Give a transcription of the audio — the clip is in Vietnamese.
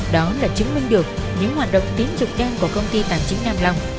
đó là chứng minh được những hoạt động tín dụng đen của công ty tài chính nam long